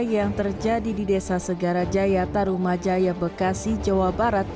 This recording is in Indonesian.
yang terjadi di desa segarajaya tarumajaya bekasi jawa barat